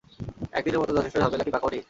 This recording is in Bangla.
একদিনের মত যথেষ্ট ঝামেলা কি পাকাওনি?